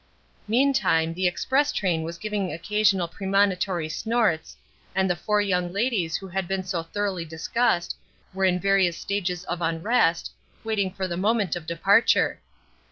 Meantime the express train was giving occasional premonitory snorts, and the four young ladies who had been so thoroughly discussed were in various stages of unrest, waiting for the moment of departure.